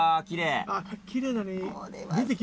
きれいだね。